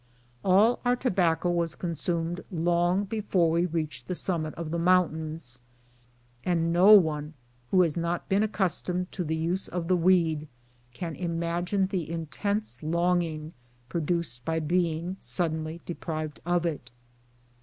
All our tobacco was consumed long before we reached the summit of the mount ains, and no one who has not been accustomed to the use of the weed can imagine the intense longing produced by being suddenly deprived of it.